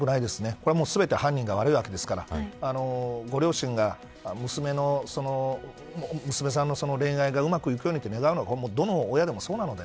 これは全て犯人が悪いわけですからご両親が娘さんの恋愛がうまくいくようにと願うのはどの親でもそうなので